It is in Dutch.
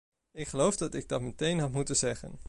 Ik geloof dat ik dat meteen had moeten zeggen.